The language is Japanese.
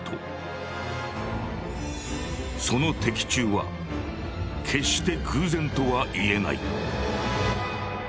その的中は決して偶然とはいえない」。